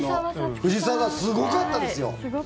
藤澤さんすごかったですよ！